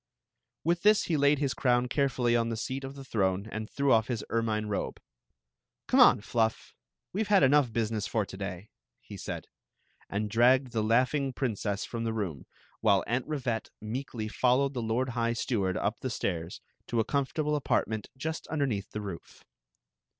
With this he laid his crown carefully on the seat of the throne and threw off his ermine robe. "Come on. Fluff! We Ve had enough business for to day," he said, and dragged the laughing prin cess from the room, while Aunt Rivette meekly fol lowed the lord high steward up the stairs to 'a. com fortable apartment just underneath the roof.